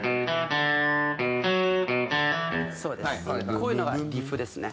こういうのがリフですね。